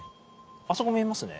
あそこ見えますね。